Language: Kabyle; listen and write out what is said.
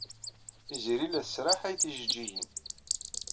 Tiziri la tesraḥay tijejjigin.